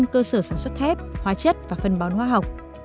bảy mươi cơ sở sản xuất thép hóa chất và phân bón hóa học